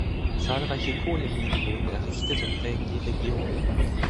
Zahlreiche Kohleminen wurden errichtet und prägen die Region.